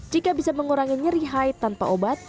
jika bisa mengurangi nyeri high tanpa obat